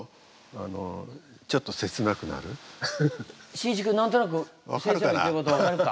しんいち君何となく先生の言ってること分かるか？